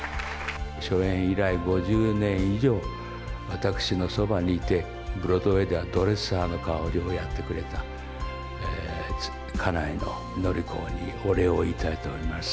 初演以来５０年以上、私のそばにいて、ブロードウェイではドレッサーの代わりをやってくれた、家内の紀子にお礼を言いたいと思います。